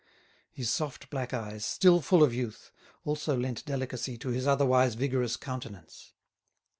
His soft black eyes, still full of youth, also lent delicacy to his otherwise vigorous countenance.